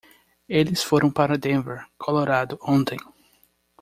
Eles foram para Denver, Colorado ontem.